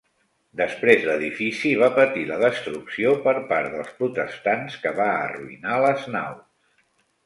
Després l'edifici va patir la destrucció per part dels protestants, que va arruïnar les naus.